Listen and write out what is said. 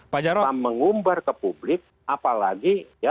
mengumbar ke publik apalagi